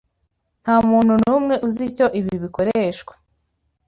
Ntamuntu numwe uzi icyo ibi bikoreshwa.